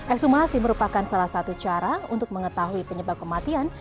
ekshumasi merupakan salah satu cara untuk mengetahui penyebab kematian